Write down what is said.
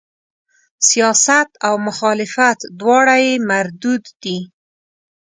سیاست او مخالفت دواړه یې مردود دي.